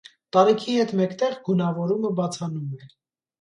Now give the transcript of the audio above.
Տարիքի հետ մեկտեղ գունավորումը բացանում է։